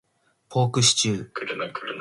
ポークシチュー